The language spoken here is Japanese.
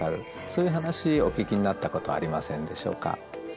そういう話お聞きになったことありませんでしょうか？